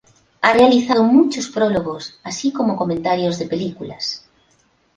Ha realizado muchos prólogos así como comentarios de películas.